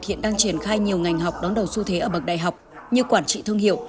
hiện đang triển khai nhiều ngành học đón đầu xu thế ở bậc đại học như quản trị thương hiệu